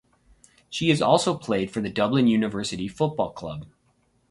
She has also played for the Dublin University Football Club.